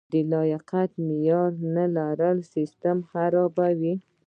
د لیاقت معیار نه لرل سیستم خرابوي.